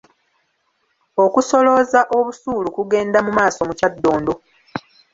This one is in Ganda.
Okusolooza Obusuulu kugenda mu maaso mu Kyaddondo.